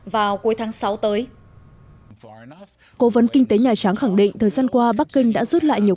vào cuối tháng sáu tới cố vấn kinh tế nhà trắng khẳng định thời gian qua bắc kinh đã rút lại nhiều